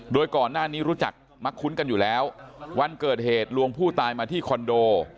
โดยก่อนหน้านี้รู้จักมักคุ้นกันอยู่แล้ววันเกิดเหตุลวงผู้ตายมาที่คอนโด